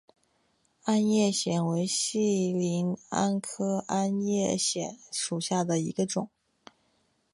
鞍叶藓为细鳞藓科鞍叶藓属下的一个种。